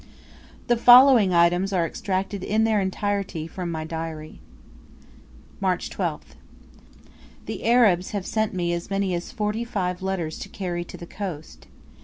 The following items are extracted in their entirety from my Diary: March 12th. The Arabs have sent me as many as forty five letters to carry to the coast.